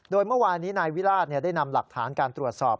โดยเมื่อวานนี้นายวิราชได้นำหลักฐานการตรวจสอบ